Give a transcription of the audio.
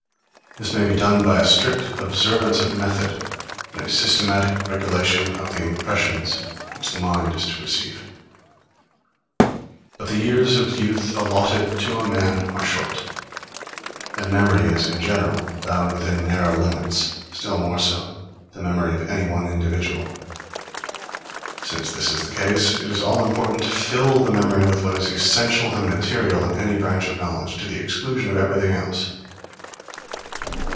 This may be done by a strict observance of method, and a systematic regulation of the impressions which the mind is to receive. But the years of youth allotted to a man are short, and memory is, in general, bound within narrow limits; still more so, the memory of any one individual. Since this is the case, it is all important to fill the memory with what is essential and material in any branch of knowledge, to the exclusion of everything else.